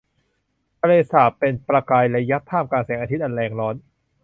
ทะเลสาบเป็นประกายระยับท่ามกลางแสงอาทิตย์อันแรงร้อน